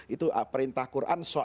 itu perintah quran